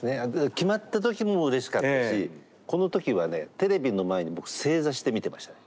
決まった時もうれしかったしこの時はねテレビの前に僕正座して見てましたね。